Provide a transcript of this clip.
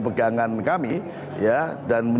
pegangan kami ya dan